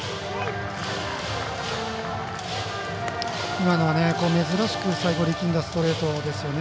今のは珍しく、最後力んだストレートですよね。